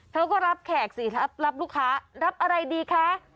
เธอก็รับแขกสิรับลูกค้ารับอะไรดีคะ